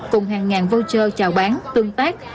cùng hàng ngàn voucher chào bán tương tác